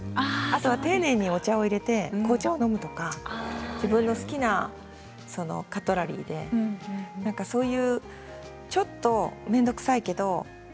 あとは丁寧にお茶をいれて紅茶を飲むとか自分の好きなカトラリーでちょっと面倒くさいけど。